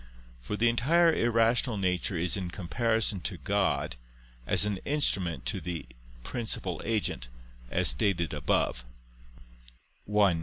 For the entire irrational nature is in comparison to God as an instrument to the principal agent, as stated above (I, Q.